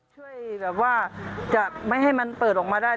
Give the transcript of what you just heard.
ช่วยให้มันเปิดออกมาได้